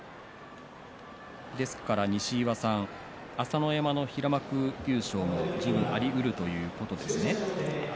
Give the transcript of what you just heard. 西岩さん、朝乃山の平幕優勝ありえるということですね。